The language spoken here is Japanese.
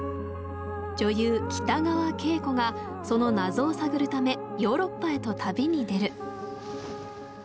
女優北川景子がその謎を探るためヨーロッパへと旅に出る。